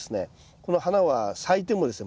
この花は咲いてもですね